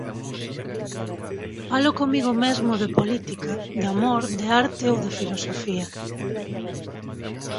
Falo comigo mesmo de política, de amor, de arte ou de filosofía.